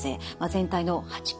全体の８％。